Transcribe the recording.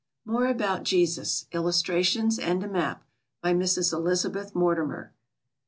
More about Jesus. Illustrations and a Map. By Mrs. ELIZABETH MORTIMER.